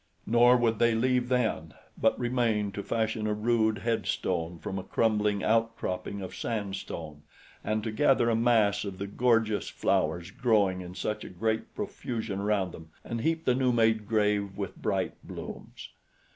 Nor would they leave then; but remained to fashion a rude headstone from a crumbling out cropping of sandstone and to gather a mass of the gorgeous flowers growing in such great profusion around them and heap the new made grave with bright blooms.